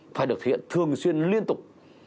phải được thực hiện thường xuyên liên tục